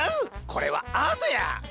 これはアートや！